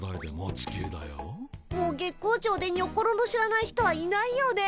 もう月光町でにょころの知らない人はいないよね。